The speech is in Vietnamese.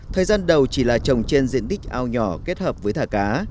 thời gian đầu chỉ là trồng trên diện tích ao nhỏ kết hợp với thả cá